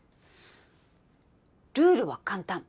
ルールは簡単。